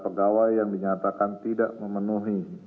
pegawai yang dinyatakan tidak memenuhi